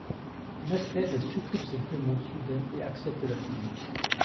Nasser est surpris de cette demande soudaine et accepte la fusion.